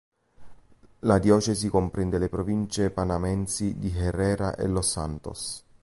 La diocesi comprende le province panamensi di Herrera e Los Santos.